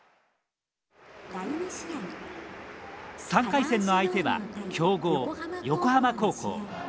３回戦の相手は強豪横浜高校。